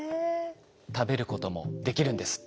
食べることもできるんですって。